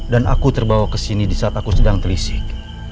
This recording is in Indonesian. dan aku terbawa kesini disaat aku sedang telisik